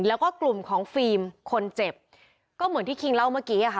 แล้วก็กลุ่มของฟิล์มคนเจ็บก็เหมือนที่คิงเล่าเมื่อกี้อะค่ะ